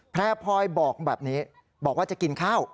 แพร่พลอยบอกแบบนี้บอกว่าจะกินข้าว